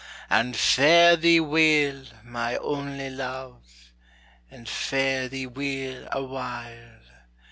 And fare thee weel, my only Luve! And fare thee weel awhile!